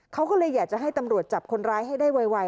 เขาก็เลยอยากจะให้ตำรวจจับคนร้ายให้ได้ไว